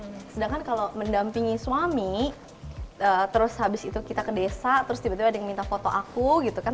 nah sedangkan kalau mendampingi suami terus habis itu kita ke desa terus tiba tiba ada yang minta foto aku gitu kan